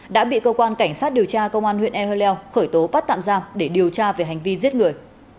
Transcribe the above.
đã bị cơ quan cảnh sát điều tra công an huyện e hơ leo khởi tố bắt tạm ra để điều tra về hành vi giết người